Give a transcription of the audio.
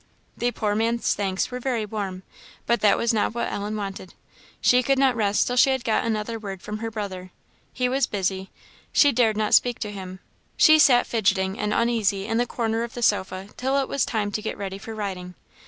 The poor man's thanks were very warm; but that was not what Ellen wanted. She could not rest till she had got another word from her brother. He was busy; she dared not speak to him; she sat fidgeting and uneasy in the corner of the sofa till it was time to get ready for riding.